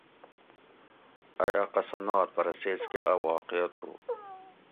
ائ اۤ قصہ نات پرہ سیچکہ اۤ واقعہ تھو